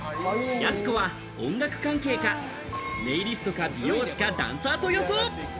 やす子は音楽関係か、ネイリストか美容師か、ダンサーと予想。